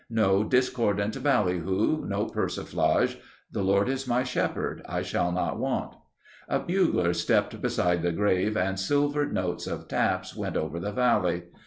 No discordant ballyhoo. No persiflage.... "The Lord is my shepherd. I shall not want...." A bugler stepped beside the grave and silvered notes of taps went over the valley.